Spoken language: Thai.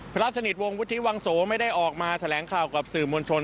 พระสนิทวงศวุฒิวังโสไม่ได้ออกมาแถลงข่าวกับสื่อมวลชน